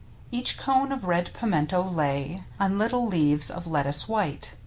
Each cone of red Pimento lay On little leaves of lettuce white.